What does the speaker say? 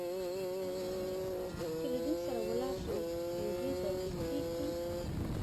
چې له دوی سره ولاړ شم، نو دوی به دې پرېږدي؟